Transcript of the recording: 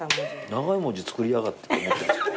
長い文字作りやがってって思ってんすか？